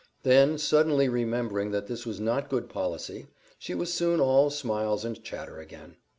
Then, suddenly remembering that this was not good policy, she was soon all smiles and chatter again.